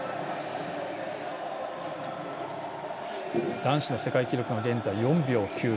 男子の世界記録が現在、４．９０。